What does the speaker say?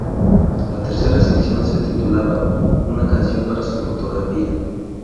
La tercera sección se titulaba "Una canción para su fotografía".